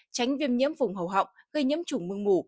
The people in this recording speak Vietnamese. tránh viêm nhiễm vùng hầu họng gây nhiễm trùng mương mủ